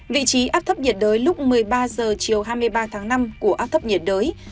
vị trí áp thấp nhiệt đới lúc một mươi ba h chiều hai mươi ba tháng năm của áp thấp nhiệt đới